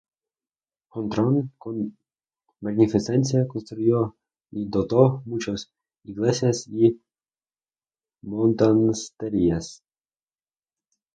Gontrán, con magnificencia, construyó y dotó muchas iglesias y monasterios.